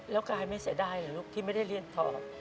แล้วกายไม่เสียดายเหรอลูกที่ไม่ได้เรียนต่อ